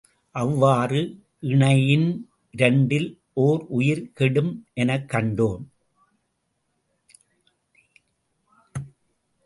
அவ்வாறு இணையின், இரண்டில் ஓர் உயிர் கெடும் எனக் கண்டோம்.